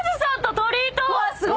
うわっすごい！